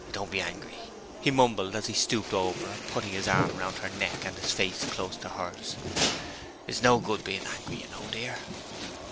'Don't be angry,' he mumbled as he stooped over her, putting his arm round her neck and his face close to hers. 'It's no good being angry, you know, dear.'